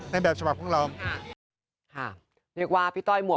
ในแบบฉบับของเรา